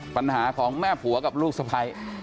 ปัญหาของแม่ผัวกับลูกสะพ้าย